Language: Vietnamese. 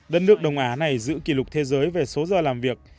đất nước đông á này giữ kỷ lục thế giới về số giờ làm việc